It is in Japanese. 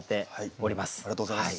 ありがとうございます。